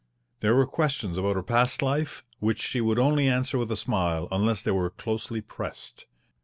There were questions about her past life which she would only answer with a smile unless they were closely pressed.